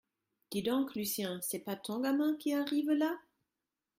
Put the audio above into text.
Dis donc, Lucien, c’est pas ton gamin qui arrive là ?